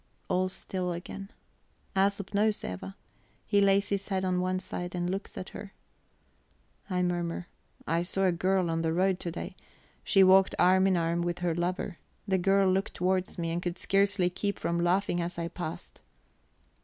All still again. Æsop knows Eva; he lays his head on one side and looks at her. I murmur: "I saw a girl on the road to day; she walked arm in arm with her lover. The girl looked towards me, and could scarcely keep from laughing as I passed."